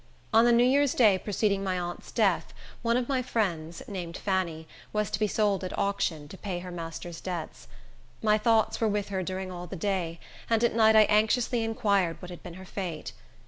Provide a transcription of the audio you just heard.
On the New Year's day preceding my aunt's death, one of my friends, named Fanny, was to be sold at auction, to pay her master's debts. My thoughts were with her during all the day, and at night I anxiously inquired what had been her fate.